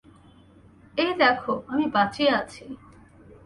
এই দেখো, আমি বাঁচিয়া আছি।